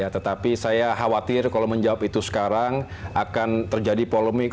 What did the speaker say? tetapi saya khawatir kalau menjawab itu sekarang akan terjadi polemik